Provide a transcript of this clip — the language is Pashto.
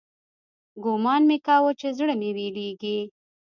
ګومان مې کاوه چې زړه مې ويلېږي.